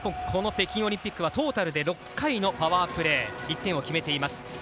この北京オリンピックはトータルで６回のパワープレー１点を決めています。